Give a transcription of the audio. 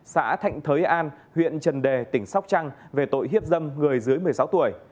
xã thạnh thới an huyện trần đề tỉnh sóc trăng về tội hiếp dâm người dưới một mươi sáu tuổi